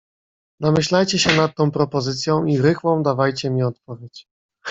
"Namyślajcie się nad tą propozycją i rychłą dawajcie mi odpowiedź."